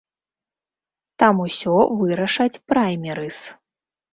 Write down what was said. Там усё вырашаць праймерыз.